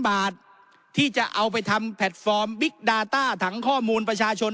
บาทที่จะเอาไปทำแพลตฟอร์มบิ๊กดาต้าถังข้อมูลประชาชน